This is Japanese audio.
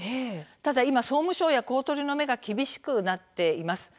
ただ総務省や公取の目が今、厳しくなっています。